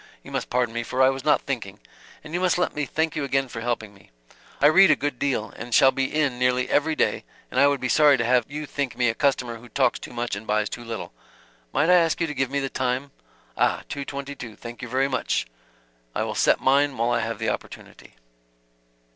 You must pardon me, for I was not thinking. And you must let me thank you again for helping me. I read a good deal, and shall be in nearly every day and I would be sorry to have you think me a customer who talks too much and buys too little. Might I ask you to give me the time? Ah two twenty two. Thank you very much. I will set mine while I have the opportunity."